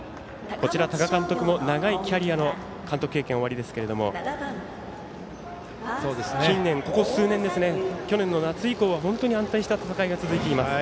多賀監督も長いキャリアの監督経験がおありですけれどもここ数年、去年の夏以降安定した戦いが続いています。